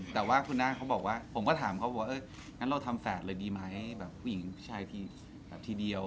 แต่ว่าคุณน่าเขาบอกว่าผมก็ถามเขาว่างั้นเราทำแฝดเลยดีไหมแบบผู้หญิงผู้ชายทีแบบทีเดียว